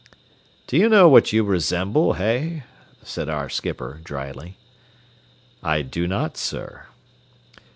"Do you know what you resemble, hey?" said our skipper, dryly. "I do not, sir."